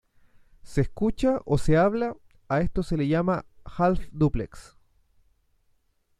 Se escucha, o se habla, a esto se le llama "half-dúplex".